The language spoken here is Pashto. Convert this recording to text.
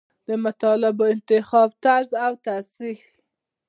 د مطالبو د انتخاب طرز او تصحیح.